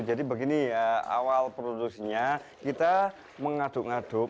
jadi begini ya awal produksinya kita mengaduk aduk